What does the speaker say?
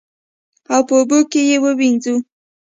او په اوبو کې یې ووینځو.